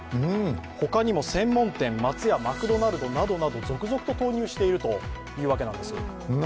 他にも専門店、松屋、マクドナルドなどなど続々と投入しているということです。